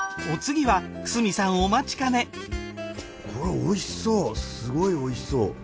お次は久住さんお待ちかねこれおいしそうすごいおいしそう。